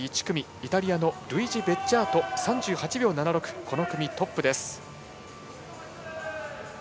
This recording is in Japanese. イタリアのルイジ・ベッジャート３８秒７６、この組トップです。